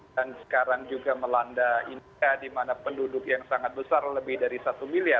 dan sekarang juga melanda indonesia di mana penduduk yang sangat besar lebih dari satu miliar